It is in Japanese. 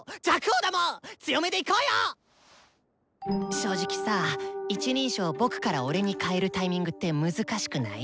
正直さ１人称「僕」から「俺」に変えるタイミングって難しくない？